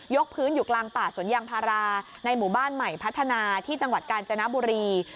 กพื้นอยู่กลางป่าสวนยางพาราในหมู่บ้านใหม่พัฒนาที่จังหวัดกาญจนบุรี